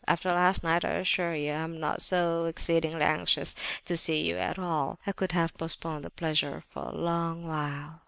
After last night, I assure you, I am not so exceedingly anxious to see you at all; I could have postponed the pleasure for a long while."